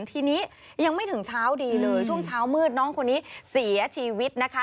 ทีนี้ยังไม่ถึงเช้าดีเลยช่วงเช้ามืดน้องคนนี้เสียชีวิตนะคะ